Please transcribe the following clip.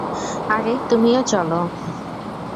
আরে তুমিও চলো।